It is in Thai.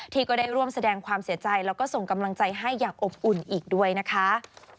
ก็ได้ร่วมแสดงความเสียใจแล้วก็ส่งกำลังใจให้อย่างอบอุ่นอีกด้วยนะคะ